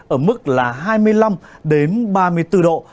ở mức là hai mươi năm đến ba mươi bốn độ